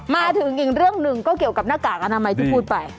มาถึงอีกเรื่องหนึ่งก็เกี่ยวกับหน้ากากอนามัยที่พูดไป